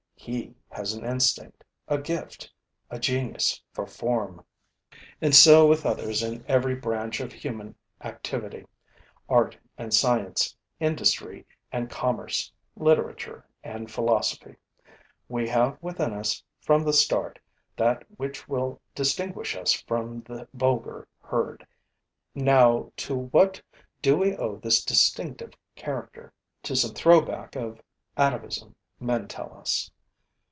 He has an instinct, a gift, a genius for form. And so with others in every branch of human activity: art and science, industry and commerce, literature and philosophy. We have within us, from the start, that which will distinguish us from the vulgar herd. Now to what do we owe this distinctive character? To some throwback of atavism, men tell us.